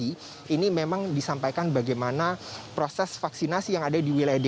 ini memang disampaikan bagaimana proses vaksinasi yang ada di wilayah dki